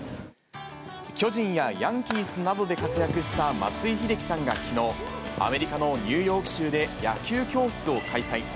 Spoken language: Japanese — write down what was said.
巨人やヤンキースなどで活躍した松井秀喜さんがきのう、アメリカのニューヨーク州で野球教室を開催。